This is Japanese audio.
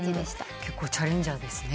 結構チャレンジャーですね。